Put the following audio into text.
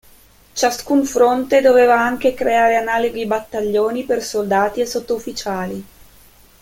Ciascun fronte doveva anche creare analoghi battaglioni per soldati e sottufficiali.